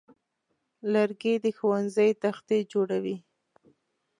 لرګی د ښوونځي تختې جوړوي.